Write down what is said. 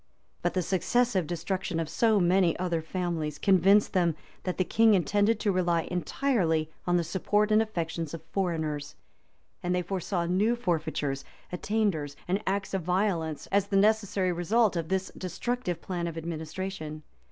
But the successive destruction of so many other families convinced them that the king intended to rely entirely on the support and affections of foreigners; and they foresaw new forfeitures, attainders, and acts of violence, as the necessary result of this destructive plan of administration.